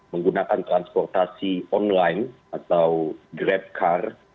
menggunakan transportasi online atau drab car